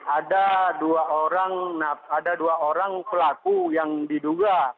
ada dua orang pelaku yang diduga